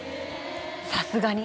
さすがに。